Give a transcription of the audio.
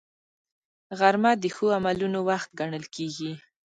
غرمه د ښو عملونو وخت ګڼل کېږي